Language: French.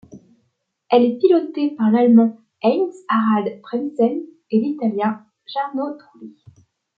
Elle est pilotée par l'Allemand Heinz-Harald Frentzen et l'Italien Jarno Trulli.